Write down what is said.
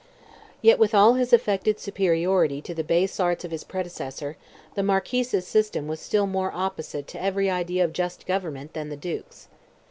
Yet with all his affected superiority to the base arts of his predecessor, the Marquis's system was still more opposite to every idea of just government than the Duke's.